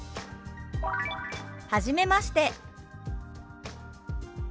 「はじめまして」。